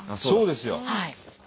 そうですよ。